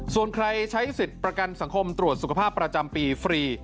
ส่วนใครใช้สิทธิ์ประกันสังคมตรวจสุขภาพประจำปีฟรี